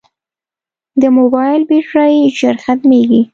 د موبایل بیټرۍ ژر ختمیږي.